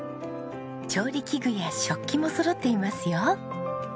調理器具や食器もそろっていますよ。